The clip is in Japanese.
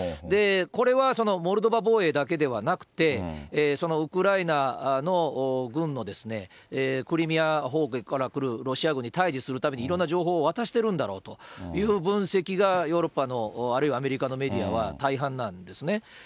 これはモルドバ防衛だけではなくて、そのウクライナの軍のクリミア方面から来るロシア軍に対じするために、いろんな情報を渡してるんだろうという分析が、ヨーロッパのあるいはアメリカのメディアは大半なんですね。